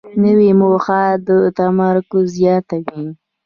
نوې موخه تمرکز زیاتوي